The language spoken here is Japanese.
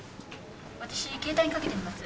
私携帯にかけてみます。